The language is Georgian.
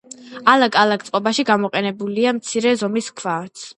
ალაგ-ალაგ წყობაში გამოყენებულია მცირე ზომის ქვაც.